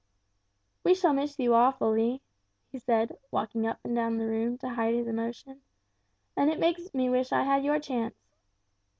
"We shall miss you awfully," he said, walking up and down the room to hide his emotion; "and it makes me wish I had your chance.